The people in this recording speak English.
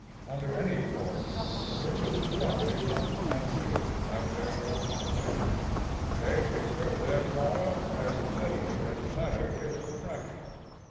Under any forms, persons and property must and will have their just sway. They exert their power, as steadily as matter its attraction.